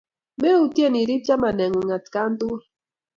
Meutyen irip chamaneng'ung' atkan tukul